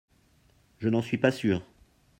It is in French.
Je n’en suis pas sûre